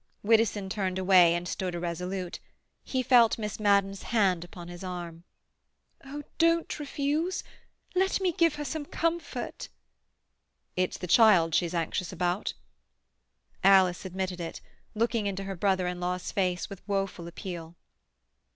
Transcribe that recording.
Widdowson turned away and stood irresolute. He felt Miss Madden's hand upon his arm. "Oh, don't refuse! Let me give her some comfort." "It's the child she's anxious about?" Alice admitted it, looking into her brother in law's face with woeful appeal.